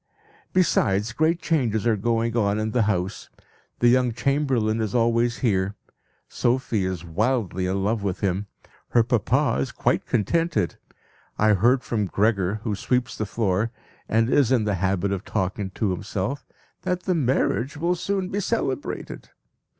Besides, great changes are going on in the house. The young chamberlain is always here. Sophie is wildly in love with him. Her papa is quite contented. I heard from Gregor, who sweeps the floor, and is in the habit of talking to himself, that the marriage will soon be celebrated.